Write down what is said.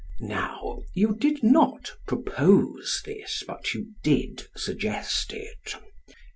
Now, you did not propose this, but you did suggest it.